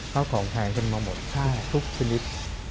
ข้าวของแพงกันมาหมดทุกชนิด